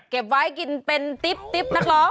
เก็บไว้กินเป็นติ๊บนักร้อง